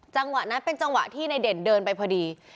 จังหวะนั้นเป็นจังหวะที่ในเด่นเดินไปพอดี